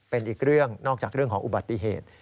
เป็นอีกเรื่องนอกจากเรื่องของอุบัติเหตุ